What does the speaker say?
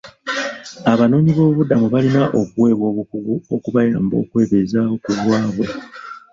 Abanoonyi boobubudamu balina okuweebwa obukugu okubayamba okwebeezaawo ku lwaabwe.